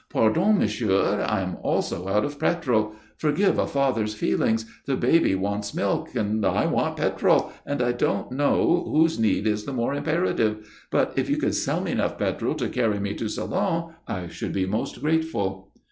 "Pardon, monsieur, I am also out of petrol. Forgive a father's feelings. The baby wants milk and I want petrol, and I don't know whose need is the more imperative. But if you could sell me enough petrol to carry me to Salon I should be most grateful."